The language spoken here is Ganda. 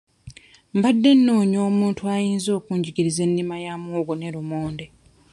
Mbadde noonya omuntu ayinza okunjigiriza ennima ya muwogo ne lumonde.